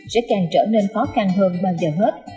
sẽ càng trở nên khó khăn hơn bao giờ hết